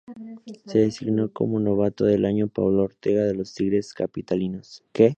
Se designó como novato del año a Pablo Ortega de los Tigres Capitalinos.